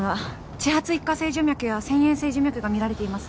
遅発一過性徐脈や遷延性徐脈が見られています。